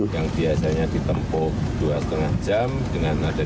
yang biasanya ditempuh dua lima jam dengan adanya jembatan ini bisa ditempuh satu jam